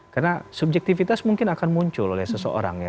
karena subjektifitas mungkin akan muncul oleh seseorang ya